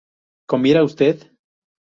¿comiera usted?